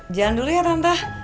jalan dulu ya tante